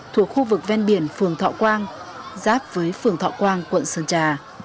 thuộc khu vực ven biển phường thọ quang giáp với phường thọ quang quận sơn trà